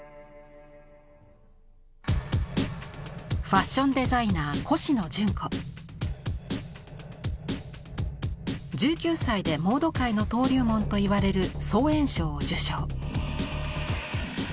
ファッションデザイナー１９歳でモード界の登竜門といわれる装苑賞を受賞。